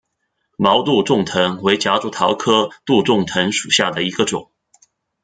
毛杜仲藤为夹竹桃科杜仲藤属下的一个种。